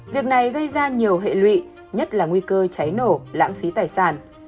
việc này gây ra nhiều hệ lụy nhất là nguy cơ cháy nổ lãng phí tài sản